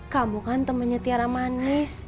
kamu kan temennya tiara manis